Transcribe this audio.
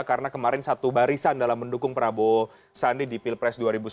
karena kemarin satu barisan dalam mendukung prabowo sandi di pilpres dua ribu sembilan belas